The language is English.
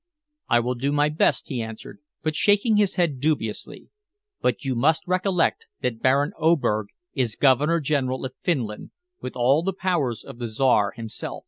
"I will do my best," he answered, but shaking his head dubiously. "But you must recollect that Baron Oberg is Governor General of Finland, with all the powers of the Czar himself."